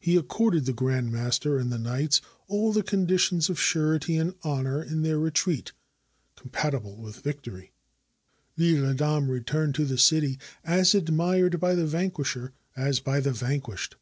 He ac corded the grand master and the knights all the condi tions of surety and honor in their retreat, compatible with the victory. L'lle Adam returned to the city, as admired by the vanquisher as by the vanquished.